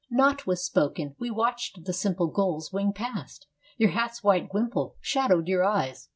Naught was spoken. We watched the simple Gulls wing past. Your hat's white wimple Shadowed your eyes.